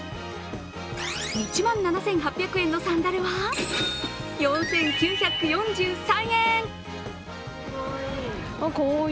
１万７８００円のサンダルは４９４３円。